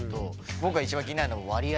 僕がいちばん気になるのは割合。